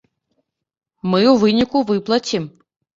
Мы ў выніку выплацім.